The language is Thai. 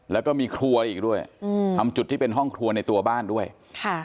แล้วก็มีครัวอีกด้วยอืมทำจุดที่เป็นห้องครัวในตัวบ้านด้วยค่ะ